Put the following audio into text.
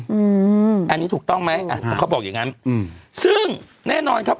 อืมอันนี้ถูกต้องไหมอ่ะเขาบอกอย่างงั้นอืมซึ่งแน่นอนครับ